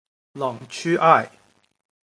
朗屈艾。